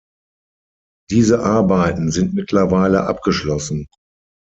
Diese Arbeiten sind mittlerweile abgeschlossen.